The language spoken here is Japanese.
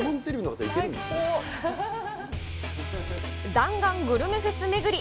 弾丸グルメフェス巡り。